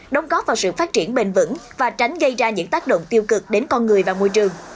đóng góp vào sự phát triển bền vững và tránh gây ra những tác động tiêu cực đến con người và môi trường